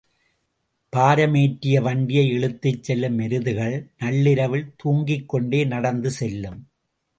பாரமேற்றிய வண்டியை இழுத்துச் செல்லும் எருதுகள் நள்ளிரவில் தூங்கிக்கொண்டே நடந்து செல்லும்.